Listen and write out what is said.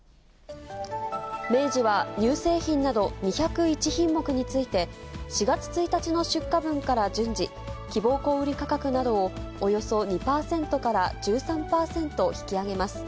明治は、乳製品など２０１品目について、４月１日の出荷分から順次、希望小売り価格などをおよそ２％から１３％引き上げます。